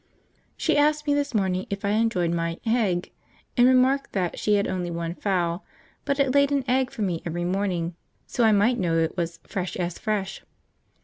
She asked me this morning if I enjoyed my 'h'egg,' and remarked that she had only one fowl, but it laid an egg for me every morning, so I might know it was 'fresh as fresh.'